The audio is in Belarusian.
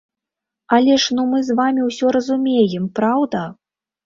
Але ж ну мы з вамі ўсё разумеем, праўда?